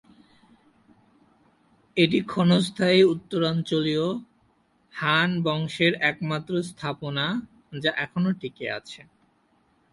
এটি ক্ষণস্থায়ী উত্তরাঞ্চলীয় হান রাজবংশের একমাত্র স্থাপনা যা এখনও টিকে আছে।